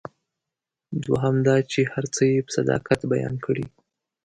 دوهم دا چې هر څه یې په صداقت بیان کړي.